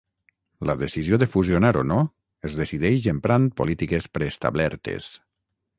La decisió de fusionar o no es decideix emprant polítiques preestablertes.